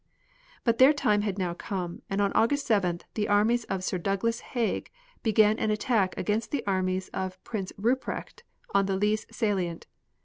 But their time had now come, and on August 7th the armies of Sir Douglas Haig began an attack against the armies of Prince Rupprecht on the Lys salient.